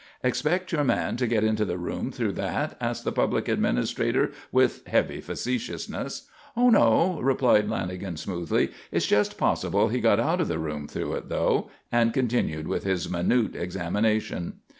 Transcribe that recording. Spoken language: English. "Expect your man to get into the room through that?" asked the Public Administrator with heavy facetiousness. "Oh, no," replied Lanagan smoothly; "it's just possible he got out of the room through it, though," and continued with his minute examination.